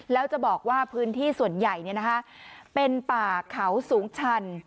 แล้วจะบอกว่าพื้นที่ส่วนใหญ่เป็นป่าเขาสูงชัน